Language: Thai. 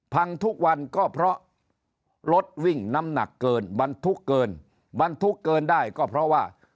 พังทุกวันก็เพราะรถวิ่งน้ำหนักเกินบรรทุกเกินบรรทุกเกินได้ก็เพราะว่า